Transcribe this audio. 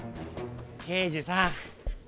刑事さん。